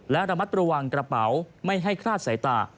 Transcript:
และระมัดระวังกระเป๋าไม่ให้คลาดสายตา